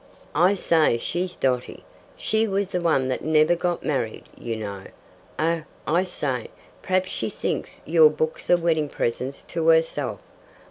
"I say she's dotty. She was the one that never got married, you know. Oh, I say, perhaps she thinks your books are wedding presents to herself.